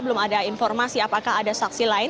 belum ada informasi apakah ada saksi lain